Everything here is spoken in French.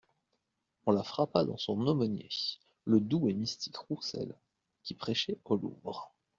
On la frappa dans son aumônier, le doux et mystique Roussel, qui prêchait au Louvre.